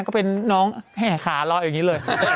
ก็เป็นน้องแห่ขาเราอย่างนี้เลย